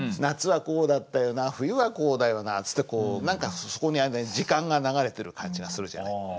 夏はこうだったよな冬はこうだよなつってこう何かそこに時間が流れてる感じがするじゃない。